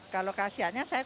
kalau kasiatnya saya